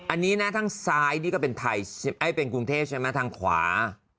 อันนี้นะทางซ้ายนี่ก็เป็นไทยเป็นกรุงเทพใช่ไหมทางขวา